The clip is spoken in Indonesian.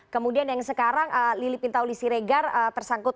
kemudian yang sekarang lili pintauli siregar tersangkut